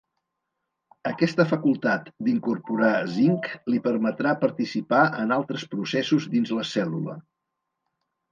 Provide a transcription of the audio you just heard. Aquesta facultat d'incorporar zinc, li permetrà participar en altres processos dins la cèl·lula.